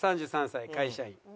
３３歳会社員。